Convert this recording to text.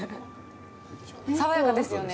爽やかですよね？